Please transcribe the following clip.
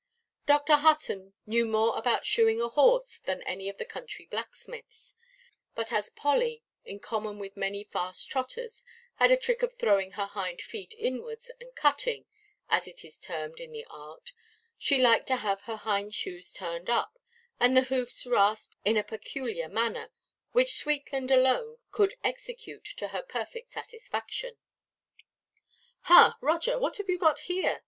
Dr. Hutton knew more about shoeing a horse than any of the country blacksmiths; and as Polly, in common with many fast trotters, had a trick of throwing her hind–feet inwards, and "cutting" (as it is termed in the art), she liked to have her hind–shoes turned up, and her hoofs rasped in a peculiar manner, which Sweetland alone could execute to her perfect satisfaction. "Ha, Roger, what have you got here?"